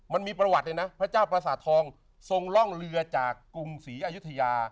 มันมีประวัติเลยนะพระเจ้าประสาททองทรงร่องเรือจากกรุงศรีอายุทยา